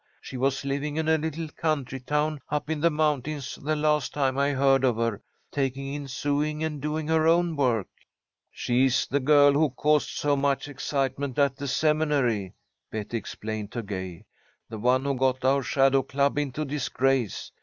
She was living in a little country town up in the mountains the last time I heard of her, taking in sewing and doing her own work." "She's the girl who caused so much excitement at the Seminary," Betty explained to Gay. "The one who got our Shadow Club into disgrace.